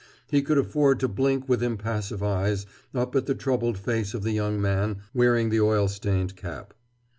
He could afford to blink with impassive eyes up at the troubled face of the young man wearing the oil stained cap.